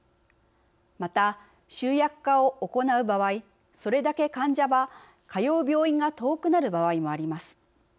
また、集約化を行う場合それだけ患者は通う病院が遠くなる場合もあります。